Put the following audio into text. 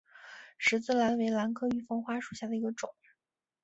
十字兰为兰科玉凤花属下的一个种。